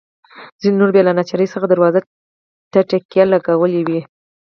ځینو نورو بیا له ناچارۍ څخه دروازو ته تکیې لګولي وې.